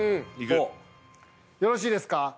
よろしいですか？